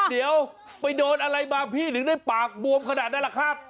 เดี๋ยวไปโดนอะไรมาพี่ถึงได้ปากบวมขนาดนั้นแหละครับ